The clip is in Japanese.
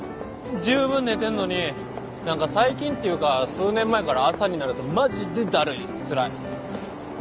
十分寝てんのに何か最近っていうか数年前から朝になるとマジでだるいつらい。